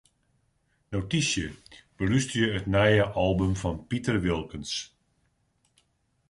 Notysje: Belústerje it nije album fan Piter Wilkens.